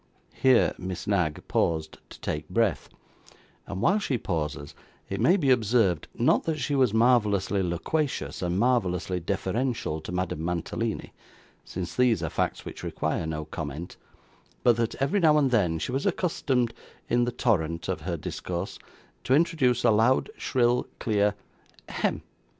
Here Miss Knag paused to take breath, and while she pauses it may be observed not that she was marvellously loquacious and marvellously deferential to Madame Mantalini, since these are facts which require no comment; but that every now and then, she was accustomed, in the torrent of her discourse, to introduce a loud, shrill, clear 'hem!